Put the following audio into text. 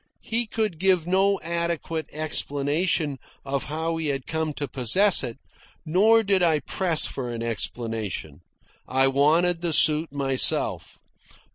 He could give no adequate explanation of how he had come to possess it, nor did I press for an explanation. I wanted the suit myself.